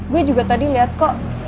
gue juga tadi lihat kok